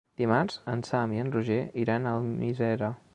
Dimarts en Sam i en Roger iran a Almiserà.